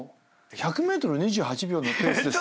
１００ｍ２８秒のペースです。